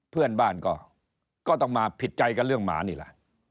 เพื่อนบ้านก็ต้องมาผิดใจกันเรื่องหมานี่แหละ